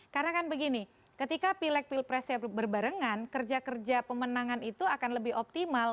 karena kan begini ketika pilek pilek presiden berbarengan kerja kerja pemenangan itu akan lebih optimal